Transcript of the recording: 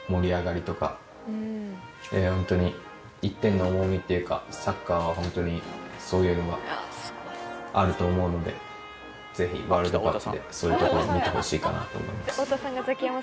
本当に１点の重みっていうかサッカーは本当にそういうのがあると思うのでぜひワールドカップでそういうところを見てほしいかなと思います。